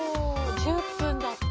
１０分だって！